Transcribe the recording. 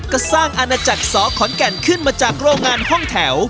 ก็สร้างอาณาจักรสอขอนแก่นขึ้นมาจากโรงงานห้องแถว